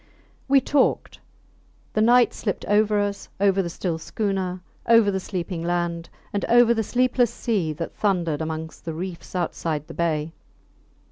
We talked. The night slipped over us, over the still schooner, over the sleeping land, and over the sleepless sea that thundered amongst the reefs outside the bay.